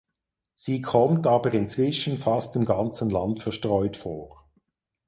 Sie kommt aber inzwischen fast im ganzen Land verstreut vor.